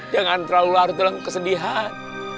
jangan terlalu larut dalam kesedihan